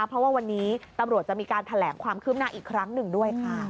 เพราะว่าวันนี้ตำรวจจะมีการแถลงความคืบหน้าอีกครั้งหนึ่งด้วยค่ะ